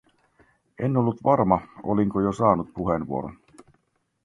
En ollut varma, olinko jo saanut puheenvuoron.